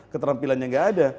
keterampilannya nggak ada